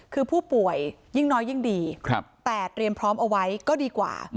คือผู้ป่วยยิ่งน้อยยิ่งดีแต่เตรียมพร้อมเอาไว้ก็ดีกว่า